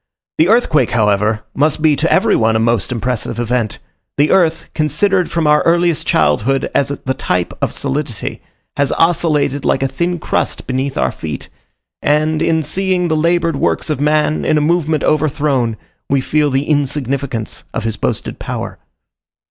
The earthquake, however, must be to every one a most impressive event: the earth, considered from our earliest childhood as the type of solidity, has oscillated like a thin crust beneath our feet; and in seeing the laboured works of man in a moment overthrown, we feel the insignificance of his boasted power.